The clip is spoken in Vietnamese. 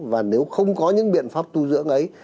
và nếu không có những biện pháp tu dưỡng ấy